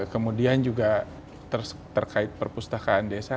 kemudian juga terkait perpustakaan desa